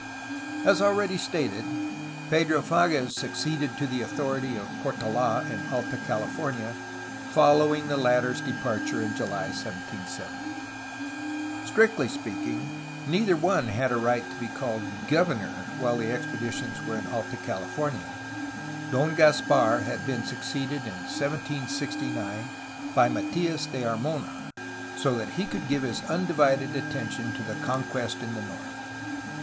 As already stated, Pedro Pages succeeded to the authority of Portola in Alta Cahfornia, following the latter^s de parture in July 1770. Strictly speaking, neither one had had a right to be called governor while the expeditions were in Alta Cahfornia, for Don Caspar had been succeeded in 1769 by Matias de Armona, so that he could give his undivided attention to the conquest in the north.